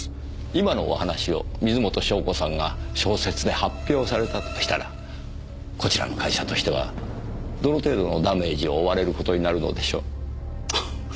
今のお話を水元湘子さんが小説で発表されたとしたらこちらの会社としてはどの程度のダメージを負われる事になるのでしょう？